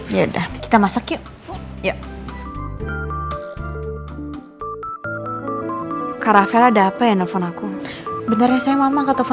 ya udah kita masak yuk